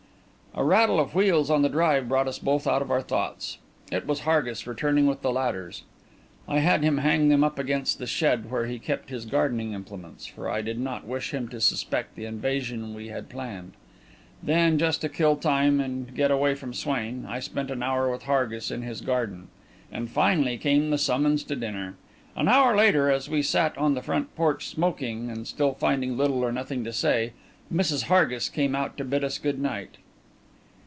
A rattle of wheels on the drive brought us both out of our thoughts. It was Hargis returning with the ladders. I had him hang them up against the shed where he kept his gardening implements, for I did not wish him to suspect the invasion we had planned; then, just to kill time and get away from Swain, I spent an hour with Hargis in his garden; and finally came the summons to dinner. An hour later, as we sat on the front porch smoking, and still finding little or nothing to say, Mrs. Hargis came out to bid us good night.